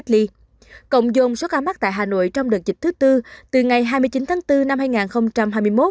cộng dồn số ca mắc tại hà nội trong đợt dịch thứ tư từ ngày hai mươi chín tháng bốn năm hai nghìn hai mươi một